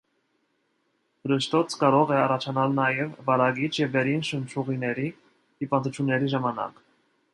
Փռշտոց կարող է առաջանալ նաև վարակիչ և վերին շնչուղիների հիվանդությունների ժամանակ։